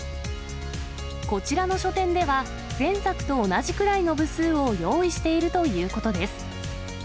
こちらの書店では、前作と同じぐらいの部数を用意しているということです。